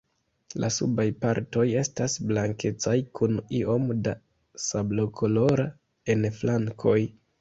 La subaj partoj estas blankecaj kun iom da sablokolora en flankoj.